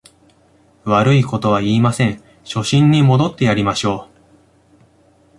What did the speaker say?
悪いことは言いません、初心に戻ってやりましょう